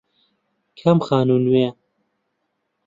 کام خانوو نوێیە؟